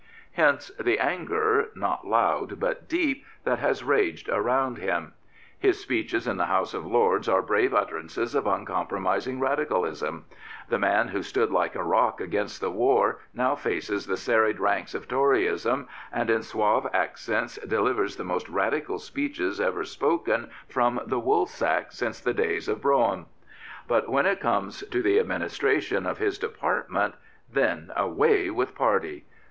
Hence the anger, not loud but deep, that has raged around him. His speeches in the House of Lords are brave utterances of uncompromising Radicalism. The man who stood like a rock against the war now faces the serried ranks of Toryism and in suave accents delivers the most Radical speeches ever spoken from the woolsack since the days of Brougham. But when it comes to the administration of his de partment, then away with party.